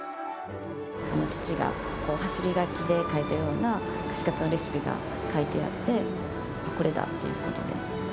父が走り書きで書いたような、串カツのレシピが書いてあって、これだっていうことで。